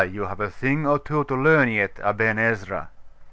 you have a thing or two to learn yet, Aben Ezra.